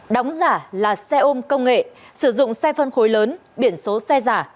đóng giả là xe ôm công nghệ sử dụng xe phân khối lớn biển số xe giả